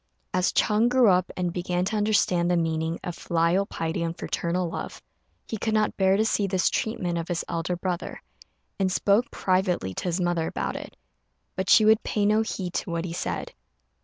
As Ch'êng grew up, and began to understand the meaning of filial piety and fraternal love, he could not bear to see this treatment of his elder brother, and spoke privately to his mother about it; but she would pay no heed to what he said.